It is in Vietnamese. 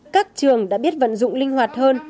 các trường đã biết vận dụng linh hoạt hơn